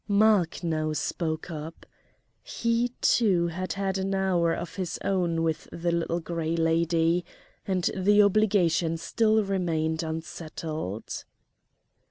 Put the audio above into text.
Mark now spoke up. He, too, had had an hour of his own with the Little Gray Lady, and the obligation still remained unsettled.